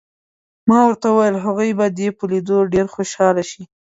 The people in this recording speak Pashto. ما ورته وویل: هغوی به دې په لیدو ډېر خوشحاله شي.